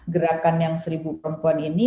gerakan yang seribu perempuan ini